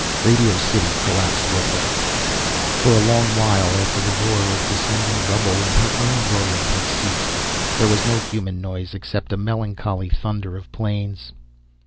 Radio City collapsed with her. For a long while after the roar of descending rubble and her own roaring had ceased, there was no human noise except a melancholy thunder of the planes.